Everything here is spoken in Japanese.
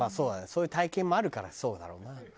そういう体験もあるからそうだろうな。